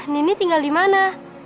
nini tinggal di mana